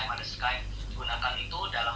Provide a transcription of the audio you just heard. gunakan itu dalam rangka untuk tetap terhubung